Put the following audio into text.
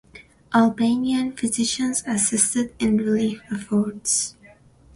Albanian physicians assisted in relief efforts.